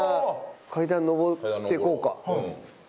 階段上ってこうか。